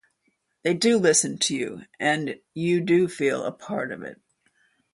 They do listen to you and you do feel a part of it.